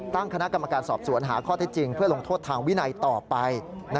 ตั้งคณะกรรมการสอบสวนหาข้อเท็จจริงเพื่อลงโทษทางวินัยต่อไป